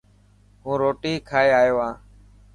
هون روٽي کائي آيو هان.